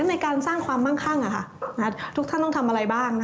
ในการสร้างความมั่งคั่งทุกท่านต้องทำอะไรบ้าง